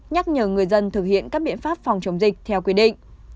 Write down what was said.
nhắc nhở người dân thực hiện các biện pháp phòng chống dịch theo quy định